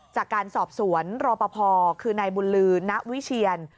จากการสอบสวนรอปภคือนายบุญลือณวิเชียน